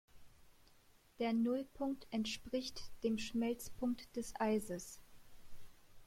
Der Nullpunkt entspricht dem Schmelzpunkt des Eises.